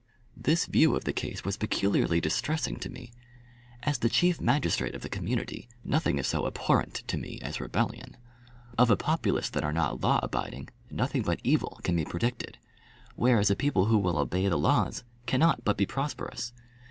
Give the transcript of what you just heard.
This view of the case was peculiarly distressing to me. As the chief magistrate of the community, nothing is so abhorrent to me as rebellion. Of a populace that are not law abiding, nothing but evil can be predicted; whereas a people who will obey the laws cannot but be prosperous.